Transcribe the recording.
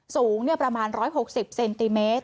สูงประมาณ๑๖๐เซนติเมตร